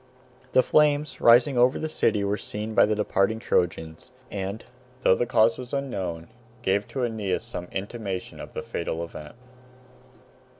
The flames rising over the city were seen by the departing Trojans, and, though the cause was unknown, gave to Aeneas some intimation of the fatal event.